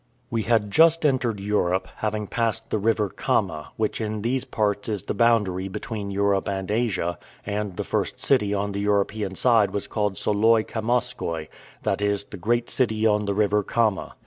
We had just entered Europe, having passed the river Kama, which in these parts is the boundary between Europe and Asia, and the first city on the European side was called Soloy Kamaskoy, that is, the great city on the river Kama.